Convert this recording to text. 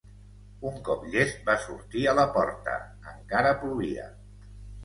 Un cop llest, va sortir a la porta. Encara plovia.